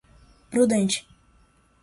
prudente